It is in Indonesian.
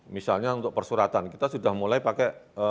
misalnya untuk persuratan kita sudah mulai pakai